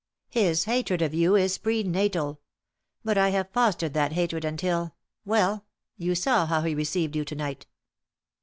His hatred of you is pre natal; but I have fostered that hatred until well, you saw how he received you to night."